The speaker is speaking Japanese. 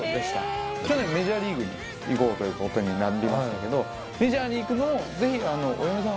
去年メジャーリーグに行こうということになりましたけどメジャーに行くのも「ぜひ」。